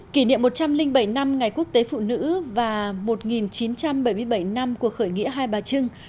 kỷ niệm một trăm linh bảy năm ngày quốc tế phụ nữ và một nghìn chín trăm bảy mươi bảy năm cuộc khởi nghĩa hai bà trưng